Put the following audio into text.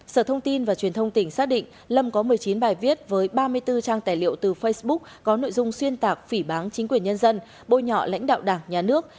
sở thông tin và truyền thông tỉnh xác định lâm có một mươi chín bài viết với ba mươi bốn trang tài liệu từ facebook có nội dung xuyên tạc phỉ bán chính quyền nhân dân bôi nhọ lãnh đạo đảng nhà nước